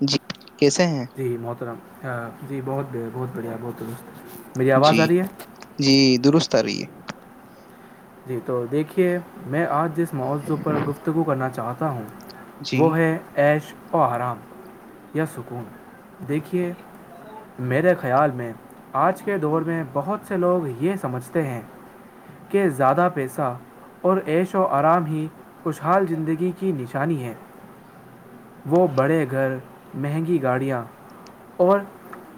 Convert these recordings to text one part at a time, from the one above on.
جی کیسے ہیں جی محترم جی بہت بہت بڑھیا بہت درست میری آواز آ جی رہی ہے جی درست آ رہی ہے جی تو دیکھیے میں آج جس موضوع پر گفتگو کرنا چاہتا ہوں وہ جی ہے ایش اور آرام یا سکون دیکھیے میرے خیال میں آج کے دور میں بہت سے لوگ یہ سمجھتے ہیں کہ زیادہ پیسہ اور ایش و آرام ہی خوشحال زندگی کی نشانی ہے وہ بڑے گھر مہنگی گاڑیاں اور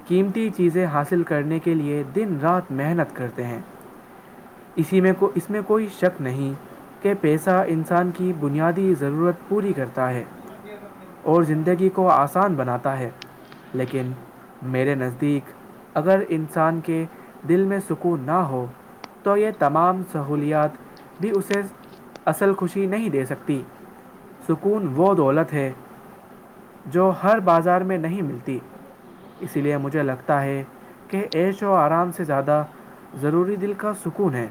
قیمتی چیزیں حاصل کرنے کے لئے دن رات محنت کرتے ہیں اسی میں کو اس میں کوئی شک نہیں کہ پیسہ انسان کی بنیادی ضرورت پوری کرتا تا ہے اور زندگی کو آسان بناتا ہے لیکن میرے نزدیک اگر انسان کے دل میں سکون نہ ہو تو یہ تمام سہولیات بھی اسے اصل خوشی نہیں دے سکتی سکون وہ دولت ہے جو ہر بازار میں نہیں ملتی اسی لیے مجھے لگتا ہے کہ ایشو آرام سے زیادہ ضروری دل کا سکون ہے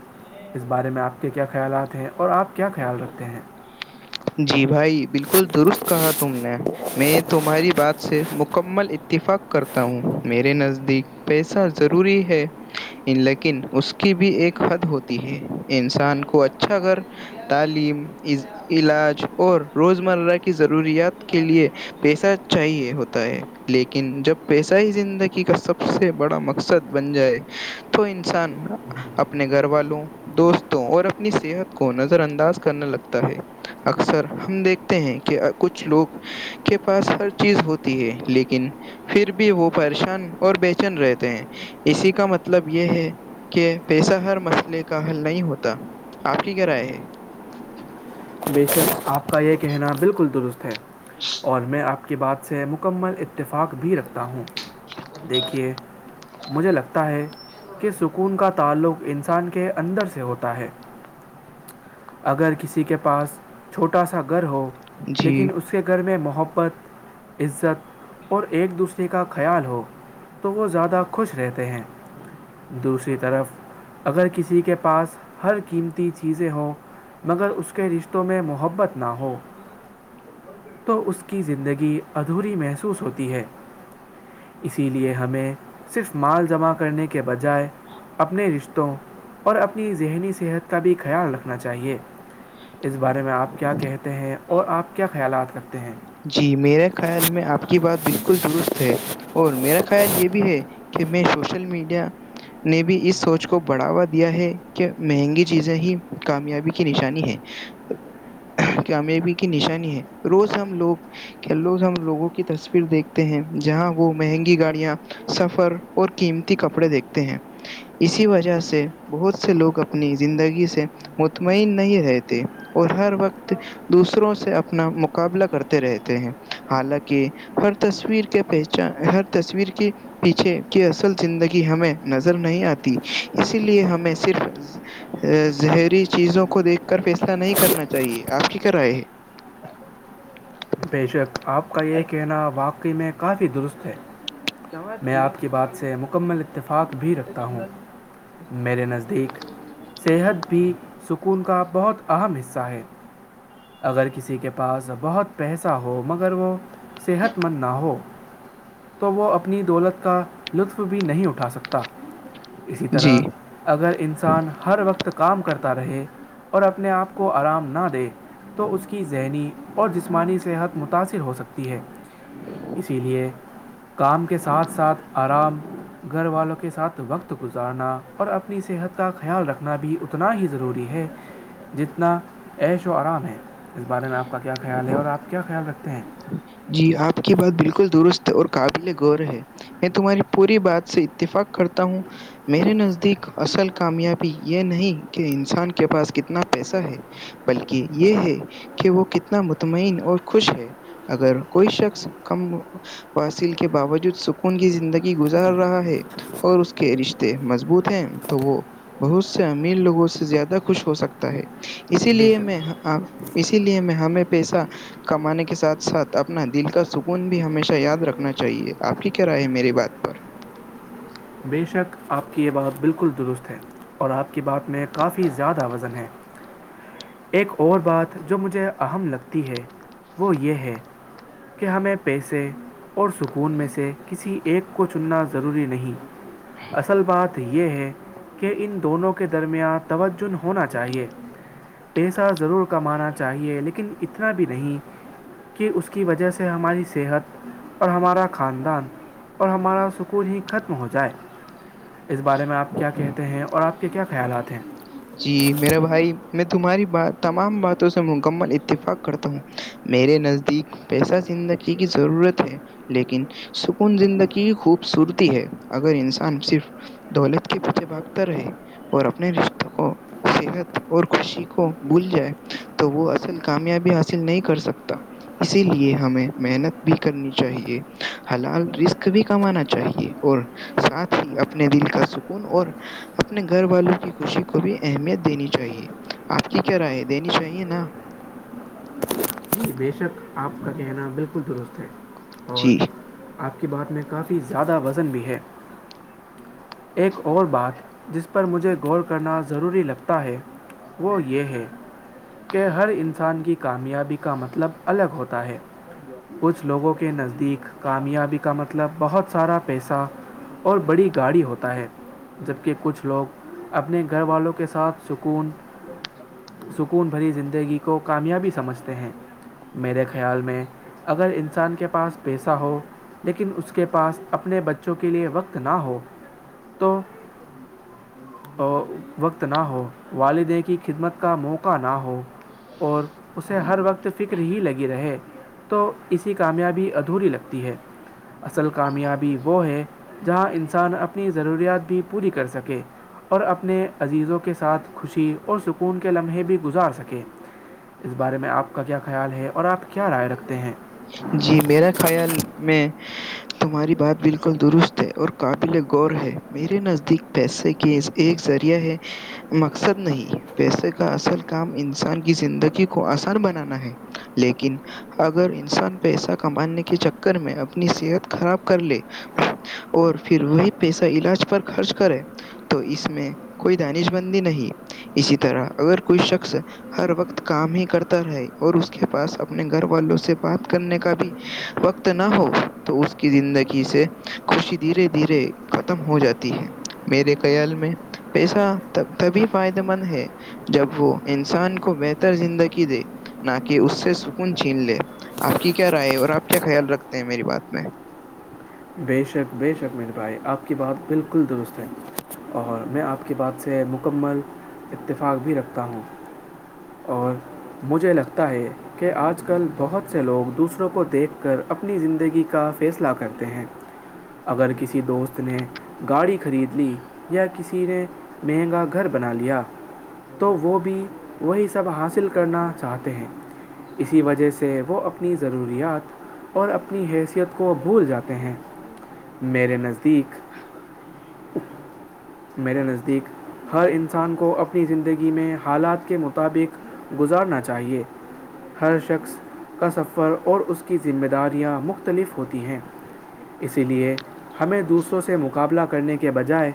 اس بارے میں آپ کے کیا خیالات ہیں اور آپ کیا خیال رکھتے ہیں جی بھائی بلکل درست کہا تم نے میں تمہاری بات سے مکمل اتفاق کرتا ہوں میرے نزدیک پیسہ ضروری ہے لیکن اس کی بھی ایک حد ہوتی ہے انسان کو اچھا گھر تعلیم علاج اور روزمرہ کی ضروریات کے لیے پیسہ چاہیے ہوتا ہے لیکن جب پیسہ ہی زندگی کا سب سے بڑا مقصد بن جائے تو انسان اپنے گھر والوں دوستوں اور اپنی صحت کو نظر انداز کرنے لگتا ہے اکثر ہم دیکھتے ہیں کہ کچھ لوگ کے پاس ہر چیز ہوتی ہے لیکن پھر بھی وہ پریشان اور بےچین رہتے ہیں اسی کا مطلب یہ ہے کہ پیسہ ہر مسئلے کا حل نہیں ہوتا آج کی کیا رائے ہے بے شک آپ کا یہ کہنا بلکل درست ہے اور میں آپ کی بات سے مکمل اتفاق بھی رکھتا ہوں دیکھیے مجھے لگتا ہے کہ سکون کا تعلق انس انسان کے اندر سے ہوتا ہے اگر کسی کے پاس چھوٹا سا گھر ہو جی لیکن اس کے گھر میں محبت عزت اور ایک دوسرے کا خیال ہو تو وہ زیادہ خوش رہتے ہیں دوسری طرف اگر کسی کے پاس ہر قیمتی چیزیں ہوں مگر اس کو کے رشتوں میں محبت نہ ہو تو اس کی زندگی ادھوری محسوس ہوتی ہے اسی لیے ہمیں صرف مال جمع کرنے کے بجائے اپنے رشتوں اور اپنی ذہنی صحت کا بھی خیال رکھنا چاہیے اس بارے میں آپ کیا کہتے ہیں اور آپ کیا خیالات رکھتے ہیں جی میرے خیال میں آپ کی بات بلکل درست ہے اور میرا خیال یہ بھی ہے کہ میں سوشل میڈیا نے بھی اس سوچ کو بڑھاوا دیا ہے کہ مہنگی چیزیں ہی کامیابی کی نشانی ہیں ج [inaudible] کامیابی کی نشانی ہے روز ہم لوگ کیا لوگ ہم لوگوں کی تصویر دیکھتے ہیں جہاں وہ مہنگی گاڑیاں سفر اور قیمتی کپڑے دیکھتے ہیں اسی وجہ سے بہت سے لوگ اپنی زندگی سے مطمئن نہیں رہتے اور ہر وقت دوسروں سے اپنا مقابلہ کرتے رہتے ہیں حالانکہ ہر تصویر کے پہچان ہر تصویر کی پیچھے کی اصل زندگی ہمیں نظر نہیں آتی اسی لیے ہمیں صرف زہری چیزوں کو دیکھ کر فیصلہ نہیں کرنا چاہیے آپ کی کیا رائے ہے بیشک آپ کا یہ کہنا واقعی میں کافی درست ہے میں آپ کی بات سے مکمل اتفاق بھی رکھتا ہوں میرے نزدیک صحت بھی سکون کا بہت اہم حصہ ہے اگر کسی کے پاس بہت پیسہ ہو مگر وہ صحت مند نہ ہو تو وہ اپنی دولت کا لطف بھی نہیں اٹھا سکتا اسی جی طرح اگر انسان ہر وقت کام کرتا رہے اور اپنے آپ کو آرام نہ دے تو اس کی ذہنی اور جسمانی صحت متاثر ہو سکتی ہے اسی لئے کام کے ساتھ ساتھ آرام گھر والوں کے ساتھ وقت وقت گزارنا اور اپنی صحت کا خیال رکھنا بھی اتنا ہی ضروری ہے جتنا عش و آرام ہے اس بارے میں آپ کا کیا خیال ہے اور آپ کیا خیال رکھتے ہیں جی آپ کی بات بالکل درست اور قابل غور ہے میں تمہاری پوری بات سے اتفاق کرتا ہوں میرے نزدیک اصل کامیابی یہ نہیں کہ انسان کے پاس کتنا پیسہ ہے بلکہ یہ ہے کہ وہ کتنا مطمئن اور خوش ہے اگر کوئی شخص کم واصل کے باوجود سکون کی زندگی جی گزار رہا ہے اور اس کے رشتے مضبوط ہیں تو وہ بہت سے امیر لوگوں سے زیادہ خوش ہو سکتا ہے اسی بے لیے میں شک اسی لیے میں ہمیں پیسہ کمانے کے ساتھ ساتھ اپنا دل کا سکون بھی ہمیشہ یاد رکھنا چاہیے آپ کی کیا رائے میری بھائی پر بے شک آپ کی یہ بات بالکل درست ہے اور آپ کی بات میں کافی زیادہ وزن ہے ایک اور بات جو مجھے اہم لگتی ہے وہ یہ ہے کہ ہمیں پیسے اور سکون میں سے کسی ایک کو چننا ضروری نہیں اصل بات یہ ہے کہ ان دونوں کے درمیان توجن ہونا چاہیے پیسہ ضرور کمانا چاہیے لیکن اتنا بھی نہیں کہ اس کی وجہ سے ہماری صحت اور ہمارا خاندان اور ہمارا سکون ہی ختم ہوتا جائے اس بارے میں آپ کیا کہتے ہیں اور آپ کے کیا خیالات ہیں جی میرے بھائی میں تمہاری بات تمام باتوں سے مکمل اتفاق کرتا ہوں میرے نزدیک پیسہ زندگی کی ضرورت ہے لیکن سکون زندگی خوبصورتی ہے اگر انسان صرف دولت کے پیچھے بھاگتا رہے اور اپنے رشتے [unintelligible] صحت اور خوشی کو بھول جائے تو وہ اصل کامیابی حاصل نہیں کر سکتا اسی لیے ہمیں محنت بھی کرنی چاہیے حلال رزق بھی کمانا چاہیے اور ساتھ ہی اپنے دل کا سکون اور اپنے گھر والوں کی خوشی کو بھی اہمیت دینی چاہیے آپ کی کیا رائے دینی چاہیے نا کہ بےشک آپ کا کہنا بالکل درست ہے اور جی آپ کی بات میں کافی زیادہ وزن بھی ہے ایک اور بات جس پر مجھے غور کرنا ضروری لگتا ہے وہ یہ ہے کہ ہر انسان کی کامیابی کا مطلب الگ ہوتا ہے کچھ لوگوں کے نزدیک کامیابی کا مطلب مطلب بہت سارا پیسہ اور بڑی گاڑی ہوتا ہے جبکہ کچھ لوگ اپنے گھر والوں کے ساتھ سکون سکون بھری زندگی کو کامیابی سمجھتے ہیں میرے خیال میں اگر انسان کے پاس پیسہ ہو لیکن اس کے پاس اپنے بچوں کے لیے وقت نہ ہو تو وقت نہ ہو والدین کی خدمت کا موقع نہ ہو اور اسے ہر وقت توفکر ہی لگی رہے تو اسی کامیابی ادھوری لگتی ہے اصل کامیابی وہ ہے جہاں انسان اپنی ضروریات بھی پوری کر سکے اور اپنے عزیزوں کے ساتھ خوشی اور سکون کے لمحے بھی گزار سکے اس بارے میں آپ کا کیا خیال ہے اور آپ کیا رائے رکھتے ہیں جی میرا خیال میں [inaudible] تمہاری بات بالکل درست ہے اور قابل غور ہے میرے نزدیک پیسے کیز ایک ذریعہ ہے مقصد نہیں پیسے کا اصل کام انسان کی زندگی کو آسان بنانا ہے لیکن اگر ان انسان پیسہ کمانے کے چکر میں اپنی صحت خراب کر لے اور پھر وہی پیسہ علاج پر خرچ کرے تو اس میں کوئی دانش بندی نہیں اسی طرح اگر کوئی شخص ہر وقت کام ہی کرتا رہے اور اس کے پاس اپنے گھر والوں سے بات کرنے کا بھی وقت نہ ہو تو اس کی زندگی سے خوشی دھیرے دھیرے ختم ہو جاتی ہے میرے خیال میں پیسہ تبھی فائدے مند ہے جب وہ انسان کو بہتر زندگی دے نہ کہ اس سے سکون چھین لے آپ کی کیا رائے اور آپ کیا خیال رکھتے ہیں میری بات میں بے شک بے شک میرے بھائی آپ کی بات بالکل درست ہے اور میں آپ کی بات سے مکمل اتفاق بھی رکھتا ہوں اور مجھے لگتا ہے کہ آج کل بہت سے لوگ دوسروں کو دیکھ کر اپنی زندگی کا فیصلہ کرتے ہیں اگر کسی دوست نے گاڑی خرید لی یا کسی نے مہنگا گھر بنا لیا تو وہ بھی وہی سب حاصل کرنا چاہتے ہیں اسی وجہ سے وہ اپنی ضروریات اور اپنی حیثیت کو بھول جاتے ہیں میرے نزدیک کوش کر میرے نزدیک ہر انسان کو اپنی زندگی میں حالات کے مطابق گزارنا چاہیے ہر شخص کا سفر اور اس کی ذمہ داریاں مختلف ہوتی ہیں اسی لیے ہمیں دوسروں سے مقابلہ کرنے کے بجائے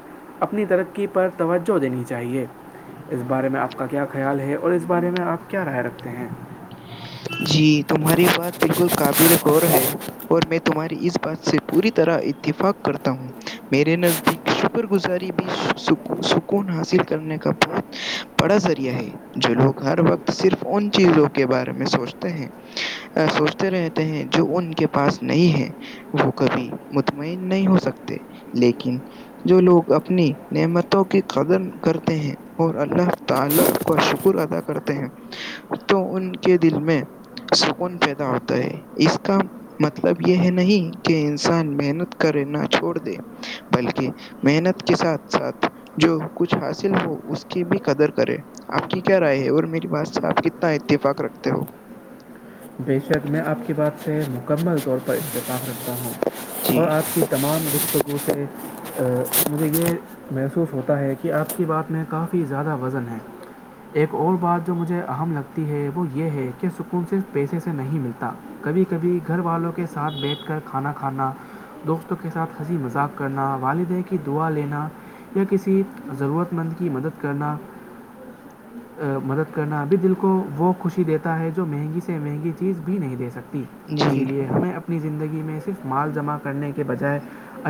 اپنی ترقی پر توجہ دینی چاہیے اس بارے میں آپ کا کیا خیال ہے اور اس بارے میں آپ کیا رائے رکھتے ہیں جی تمہاری بات بالکل کاابل غور ہے اور میں تمہاری اس بات سے پوری طرح اتفاق کرتا ہوں میرے نزدیک شکر گزاری بھی سکون حاصل کرنے کا بہت بڑا ذریعہ ہے جو لوگ ہر وقت صرف ان چیزوں کے بارے میں سوچتے سوچتے رہتے ہیں جو ان کے پاس نہیں ہے وہ کبھی مطمئن نہیں ہو سکتے لیکن جو لوگ اپنی نعمتوں کی قدم کرتے ہیں اور اللہ تو اللہ کا شکر ادا کرتے ہیں تو ان کے دل میں سکون پیدا ہوتا ہے اس کا مطلب یہ ہے نہیں کہ انسان محنت کرے نہ چھوڑ دے بلکہ محنت کے ساتھ ساتھ جو کچھ حاصل ہو اس کی بھی قدر کرے آپ کی کیا رائے ہے اور میری بات سے آپ کتنا اتفاق رکھتے ہو بےشک میں آپ کی بات سے مکمل طور پر انتفاف رکھتا ہوں جی اور آپ کی تمام گفتگو سے مجھے یہ محسوس ہوتا ہے کہ آپ کی بات میں کافی زیادہ وزن ہے ایک اور بات جو مجھے اہم لگتی ہے وہ یہ ہے کہ سکون صرف پیسے سے نہیں ملتا کبھی کبھی گھر والوں کے ساتھ بیٹھ کر کھانا کھانا دوستوں کے ساتھ ہنسی مذاق کرنا والدین کی دعا لینا یا کسی ضرورت مند کی مدد کرنا [inaudible] مدد کرنا ابھی دل کو وہ خوشی دیتا ہے جو مہنگی سے مہنگی چیز بھی نہیں دے سکتی ت اسی جی لیے ہمیں اپنی زندگی میں صرف مال جمع کرنے کے بجائے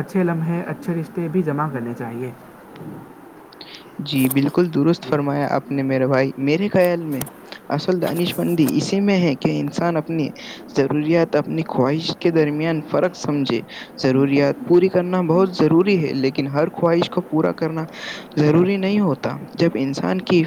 اچھے لمحے اچھے رشتے بھی جمع کرنے چاہیے جی بالکل درست جی فرمایا آپ اپنے میرے بھائی میرے خیال میں اصل دانش مندی اسی میں ہے کہ انسان اپنی ضروریات اپنی خواہش کے درمیان فرق سمجھے ضروریات پوری کرنا بہت ضروری ہے لیکن ہر خواہش کو پورا کرنا ضروری نہیں ہوتا جب انسان کی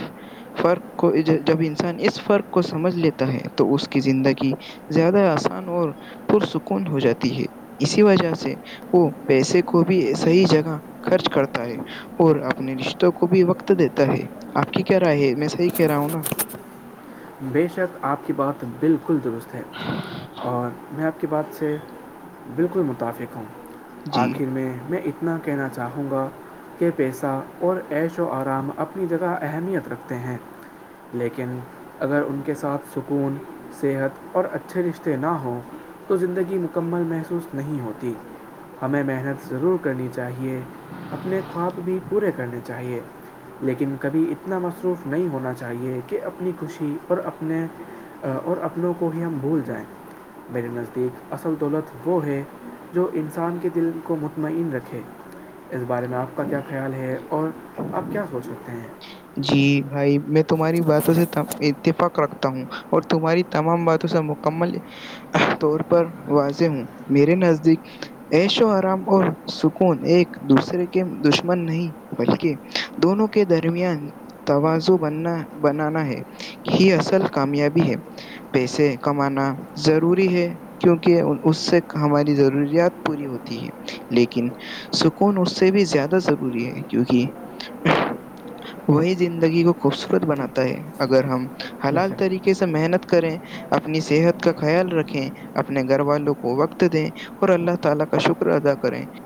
فرق کو جب انسان اس فرق کو سمجھ لیتا ہے تو اس کی زندگی زیادہ آسان اور پرسکون ہو جاتی ہے اسی وجہ سے وہ پیسے کو بھی صحیح جگہ خرچ کرتا اور اپنے رشتوں کو بھی وقت دیتا ہے آپ کی کیا رائے ہے میں صحیح کہہ رہا ہوں نا بے شک آپ کی بات بالکل درست ہے اور میں آپ کی بات سے بالکل متفق ہوں جی آخر میں میں اتنا کہنا چاہوں گا کے پیسہ اور ایش و آرام اپنی جگہ اہمیت رکھتے ہیں لیکن اگر ان کے ساتھ سکون صحت اور اچھے رشتے نہ ہوں تو زندگی مکمل محسوس نہیں ہوتی ہمیں محنت ضرور کرنی چاہیے اپنے خواب بھی پورے کرنے چاہیے لیکن کبھی اتنا مصروف نہیں ہونا چاہیے کہ اپنی خوشی ت اور اپنے اور اپنوں کو ہی ہم بھول جائیں میرے نزدیک اصل دولت وہ ہے جو انسان کے دل کو مطمئن رکھے اس بارے میں آپ کا کیا خیال ہے اور آپ کیا سوچ سکتے ہیں جی بھائی میں تمہاری باتوں سے اتفاق رکھتا ہوں اور تمہاری تمام باتوں سے مکمل طور پر واضح ہوں میرے نزدیک ایشو آرام اور سکون ایک دوسرے کے دشمن نہیں بلکہ دونوں کے درمیان توازو بننا بنانا ہے یہ اصل کامیابی ہے پیسے کمانا ضروری ہے کیونکہ اس سے ہماری ضروریات پوری ہوتی ہے لیکن سکون اس سے بھی زیادہ ضروری ہے کیونکہ وہی زندگی کو خوبصورت جی بناتا ہے اگر ہم بے حلال شک طریقے سے محنت کریں اپنی صحت کا خیال رکھیں اپنے گھر والوں کو وقت دیں اور اللہ تعالی کا شکر ادا کریں